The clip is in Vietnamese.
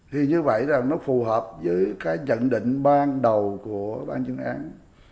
thì như vậy là nó phù hợp với cái nhận định ban đầu của ban chứng án